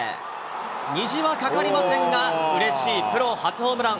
虹はかかりませんが、うれしいプロ初ホームラン。